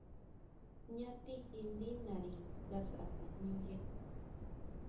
¿Jñá tijí ndí nari nga sʼá tajñúya?